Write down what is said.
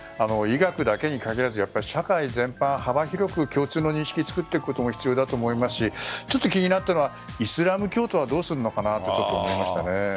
医学だけに限らず社会全般、幅広く共通の認識を作っていくことも必要だと思いますし気になったのはイスラム教徒はどうするのかなというのは思いましたね。